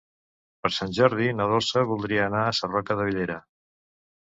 Per Sant Jordi na Dolça voldria anar a Sarroca de Bellera.